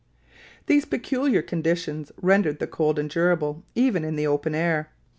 These peculiar conditions rendered the cold endurable even in the open air.